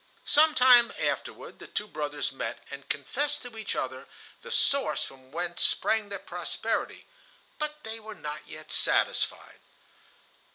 Some time afterward the two brothers met and confessed to each other the source from whence sprang their prosperity, but they were not yet satisfied.